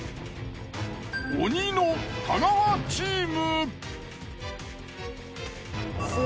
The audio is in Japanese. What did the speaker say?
鬼の太川チーム。